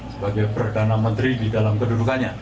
sebagai perdana menteri di dalam kedudukannya